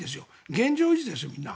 現状維持ですよ、みんな。